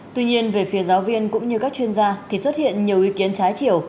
tuy nhiên về phía giáo viên cũng như các chuyên gia thì xuất hiện nhiều ý kiến trái chiều